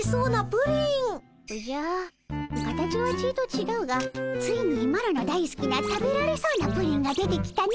おじゃ形はちいとちがうがついにマロのだいすきな食べられそうなプリンが出てきたの。